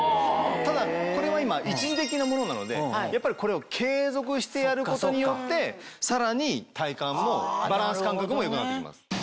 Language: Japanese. ただこれは今一時的なものなのでこれを継続してやることによってさらに体幹もバランス感覚も良くなって行きます。